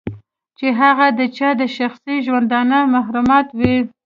چې هغه د چا د شخصي ژوندانه محرمات وي.